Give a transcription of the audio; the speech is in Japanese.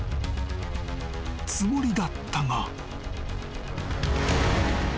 ［つもりだったが］